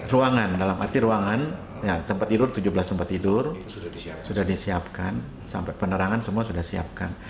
ruangan dalam arti ruangan tempat tidur tujuh belas tempat tidur sudah disiapkan sampai penerangan semua sudah siapkan